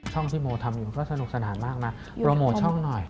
ที่โมทำอยู่มันก็สนุกสนานมากนะโปรโมทช่องหน่อย